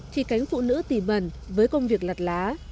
thì cánh phụ nữ tìm bần với công việc lặt lá